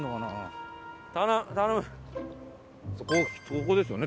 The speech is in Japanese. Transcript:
ここですよね？